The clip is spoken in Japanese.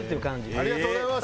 ありがとうございます。